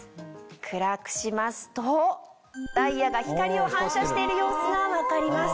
暗くしますとダイヤが光を反射してる様子が分かります。